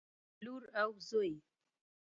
لور او زوى